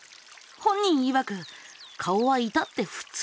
本人いわく「顔はいたって普通」。